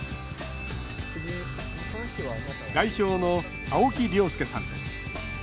代表の青木亮輔さんです。